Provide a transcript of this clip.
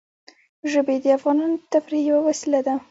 ژبې د افغانانو د تفریح یوه وسیله ده.